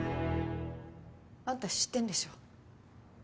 あんた知ってんでしょ？